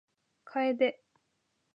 楓